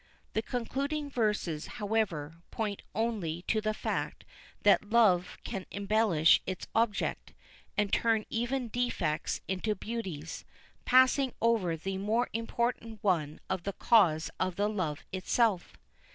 The concluding verses, however, point only to the fact that love can embellish its object, and turn even defects into beauties, passing over the more important one of the cause of the love itself.